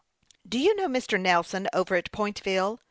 " Do you know Mr. Xelson, over at Pointvillc